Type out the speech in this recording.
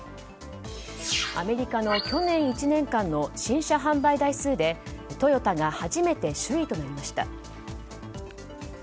アメリカの去年１年間の新車販売台数でトヨタが初めて首位となりました。